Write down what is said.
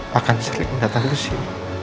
pakan seling datang kesini